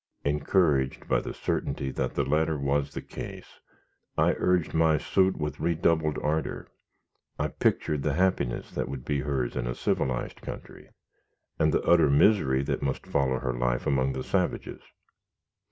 Encouraged by the certainty that the latter was the case, I urged my suit with redoubled ardor. I pictured the happiness that would be hers in a civilized country, and the utter misery that must follow her life among the savages.